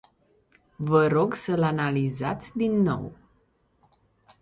Vă rog să-l analizați din nou.